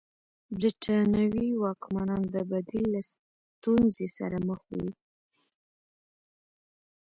برېټانوي واکمنان د بدیل له ستونزې سره مخ وو.